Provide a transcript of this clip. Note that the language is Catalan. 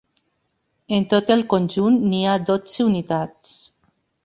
En tot el conjunt n'hi ha dotze unitats.